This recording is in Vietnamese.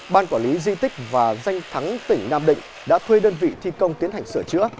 ban quản lý di tích và danh thắng tỉnh nam định đã thuê đơn vị thi công tiến hành sửa chữa